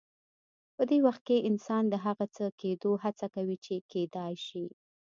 په دې وخت کې انسان د هغه څه کېدو هڅه کوي چې کېدای شي.